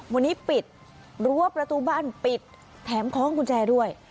วันนี้ปิดรั้วประตูบ้านปิดแถมคล้องกุญแจด้วย